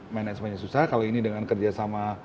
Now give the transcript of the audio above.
manage nya susah kalau ini dengan kerjasama